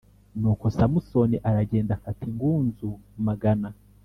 Nuko Samusoni aragenda afata ingunzu magana